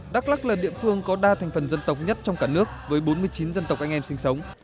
đắk lắc là địa phương có đa thành phần dân tộc nhất trong cả nước với bốn mươi chín dân tộc anh em sinh sống